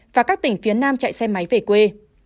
và các tỉnh phía nam chạy xe máy về quê